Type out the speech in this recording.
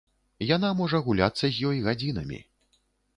Яна можа гуляцца з ёй гадзінамі.